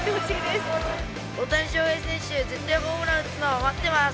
大谷翔平選手、絶対ホームラン打つのを待ってます。